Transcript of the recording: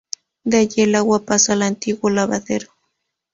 De allí el agua pasa al antiguo lavadero.